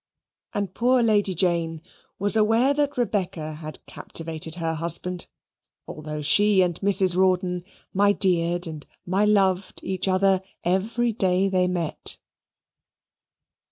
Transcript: And poor Lady Jane was aware that Rebecca had captivated her husband, although she and Mrs. Rawdon my deared and my loved each other every day they met.